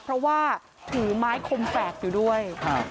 เพราะว่าถือไม้คมแฝกอยู่ด้วย